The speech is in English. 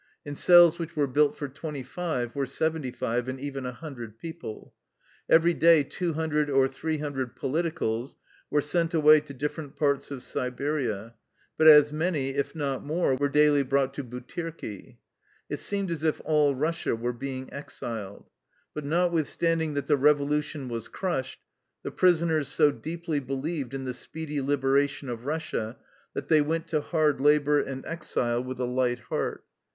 In cells which were built for twenty five were seventy five and even a hundred people. Every day 200 or 300 politicals were sent away to different parts of Siberia, but as many, if not more, were daily brought to Butirki. It seemed as if all Russia were being exiled. But notwith standing that the revolution was crushed, the prisoners so deeply believed in the speedy lib eration of Russia that they went to hard labor and exile with a light heart.